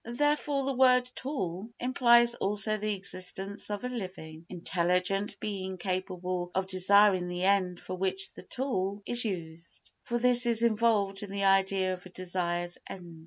Therefore the word "tool" implies also the existence of a living, intelligent being capable of desiring the end for which the tool is used, for this is involved in the idea of a desired end.